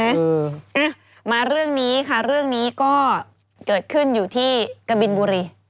อ่ะมาเรื่องนี้ค่ะเรื่องนี้ก็เกิดขึ้นอยู่ที่กะบินบุรี